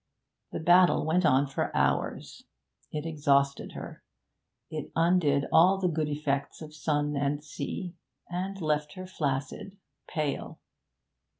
The battle went on for hours; it exhausted her; it undid all the good effects of sun and sea, and left her flaccid, pale.